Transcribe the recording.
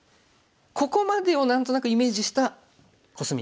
ここまでを何となくイメージしたコスミ。